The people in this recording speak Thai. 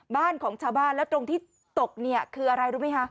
บ้านของชาวบ้านแล้วตรงที่ตกเนี่ยคืออะไรรู้ไหมคะ